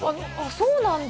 そうなんだ。